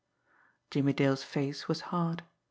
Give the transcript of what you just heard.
Jimmie Dale's face was hard.